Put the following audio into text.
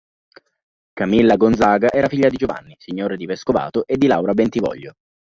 Camilla Gonzaga era figlia di Giovanni, signore di Vescovato, e di Laura Bentivoglio.